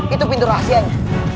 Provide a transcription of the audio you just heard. itu pintu rahasianya